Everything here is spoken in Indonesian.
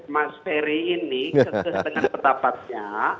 mas ferry ini sesuai dengan pendapatnya